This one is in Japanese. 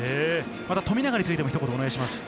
富永についても一言お願いします。